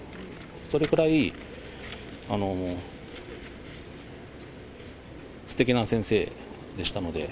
それくらい、すてきな先生でしたので。